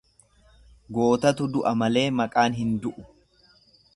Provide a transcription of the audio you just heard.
Gootatu du'a malee maqaan hin du'u.